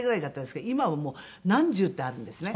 今はもう何十ってあるんですね。